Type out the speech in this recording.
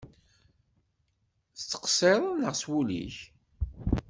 Tettqeṣṣireḍ neɣ s wul-ik?